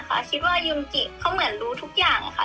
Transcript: ส่วนตัวนะคะคิดว่ายุมกิเขาเหมือนรู้ทุกอย่างอะค่ะ